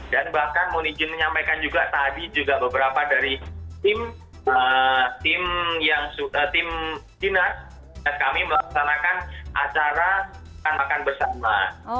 dan bahkan mohon ijin menyampaikan juga tadi juga beberapa dari tim cinas dan kami melaksanakan acara makan makan bersama